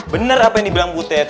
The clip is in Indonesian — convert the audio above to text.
bener apa yang dibilang butet